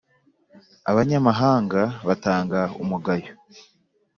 abanyamahanga batanga umugayo.